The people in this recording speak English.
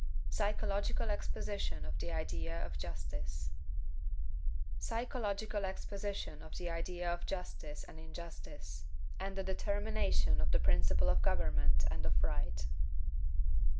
PSYCHOLOGICAL EXPOSITION OF THE IDEA OF JUSTICE PSYCHOLOGICAL EXPOSITION OF THE IDEA OF JUSTICE AND INJUSTICE, AND A DETERMINATION OF THE PRINCIPLE OF GOVERNMENT AND OF RIGHT.